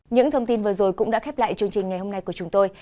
những thông tin vừa rồi cũng đã khép lại chương trình ngày hôm nay của chúng tôi